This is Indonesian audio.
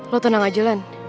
lo tenang aja lan